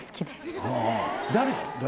誰？